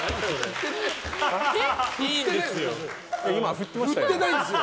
振ってないんですよ。